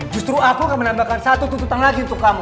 justru aku akan menambahkan satu tuntutan lagi untuk kamu